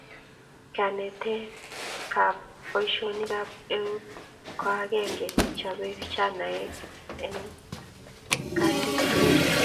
kanetee kab boisionik ab euu ku akenge nechobei vijanaek en kaandiket